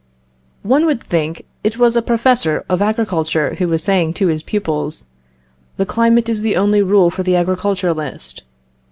One would think it was a professor of agriculture who was saying to his pupils "The climate is the only rule for the agriculturist.